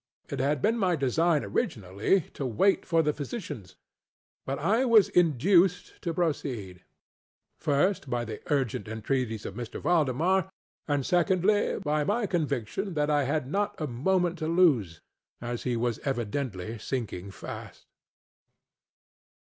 It had been my design, originally, to wait for the physicians; but I was induced to proceed, first, by the urgent entreaties of M. Valdemar, and secondly, by my conviction that I had not a moment to lose, as he was evidently sinking fast.